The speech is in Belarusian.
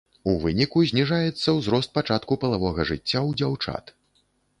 У выніку зніжаецца ўзрост пачатку палавога жыцця ў дзяўчат.